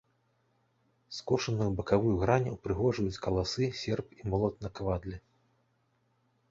Скошаную бакавую грань упрыгожваюць каласы, серп і молат на кавадле.